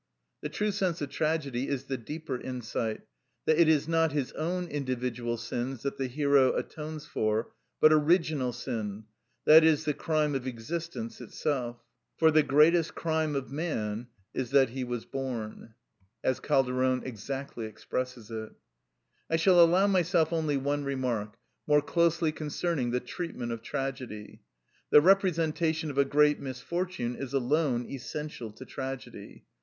The true sense of tragedy is the deeper insight, that it is not his own individual sins that the hero atones for, but original sin, i.e., the crime of existence itself: "Pues el delito mayor Del hombre es haber nacido;" ("For the greatest crime of man Is that he was born;") as Calderon exactly expresses it. I shall allow myself only one remark, more closely concerning the treatment of tragedy. The representation of a great misfortune is alone essential to tragedy.